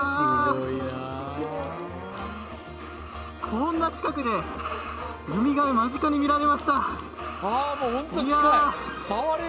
こんな近くでウミガメ間近に見られました。